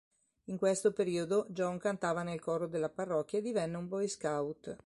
In questo periodo John cantava nel coro della parrocchia e divenne un boy scout.